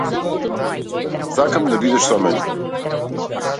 Сакам да бидеш со мене.